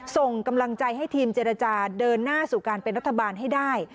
ส่งกำลังใจให้ทีมเจรจาเดินหน้าสู่การเป็นรัฐบาลให้ได้